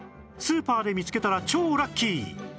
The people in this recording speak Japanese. スーパーで見つけたら超ラッキー！